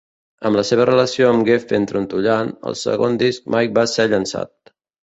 Amb la seva relació amb Geffen trontollant, el segon disc mai va ser llançat.